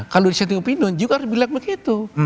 kalau dissenting opinion juga harus bilang begitu